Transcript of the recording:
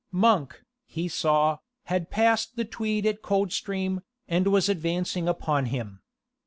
Monk, he saw, had passed the Tweed at Coldstream, and was advancing upon him.